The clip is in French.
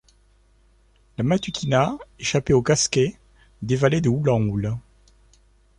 La Matutina, échappée aux Casquets, dévalait de houle en houle.